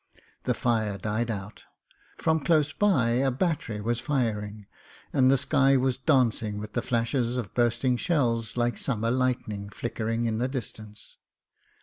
The fire died out — from close by a battery was firing, and the sky was dancing with the flashes of bursting shells like summer lightning flickering in the distance.